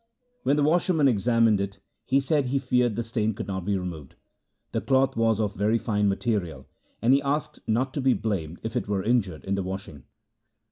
When the washerman examined it he said he feared the stain could not be removed. The cloth was of very fine material, and he asked not to be blamed if it were injured in the washing.